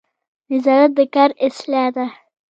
نظارت د کار اصلاح ده